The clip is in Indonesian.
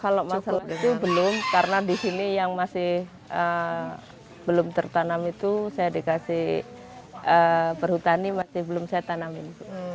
kalau masalah itu belum karena di sini yang masih belum tertanam itu saya dikasih perhutani masih belum saya tanamin